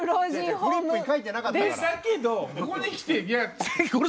フリップに書いてなかったから。